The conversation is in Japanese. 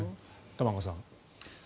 玉川さん。